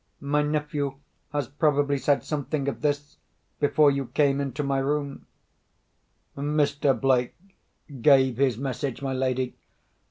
My nephew has probably said something of this, before you came into my room?" "Mr. Blake gave his message, my lady.